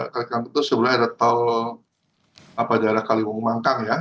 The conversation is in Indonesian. kelikangkung itu sebenarnya adalah tol daerah kalimung mangkang ya